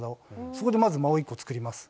そこでまず間を１個作ります。